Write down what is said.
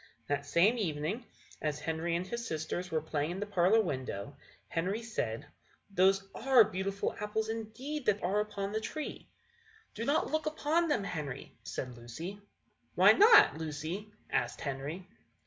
That same evening, as Henry and his sisters were playing in the parlour window, Henry said: "Those are beautiful apples indeed that are upon that tree." "Do not look upon them, Henry," said Lucy. "Why not, Lucy?" asked Henry.